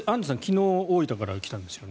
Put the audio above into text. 昨日、大分から来たんですよね？